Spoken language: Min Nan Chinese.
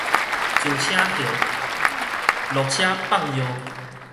上車歇，落車放尿